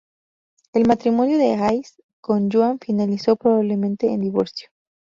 El matrimonio de Hayes con Joan finalizó probablemente en divorcio.